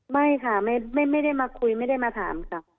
ไม่ค่ะไม่ได้มาคุยไม่ได้มาถามค่ะ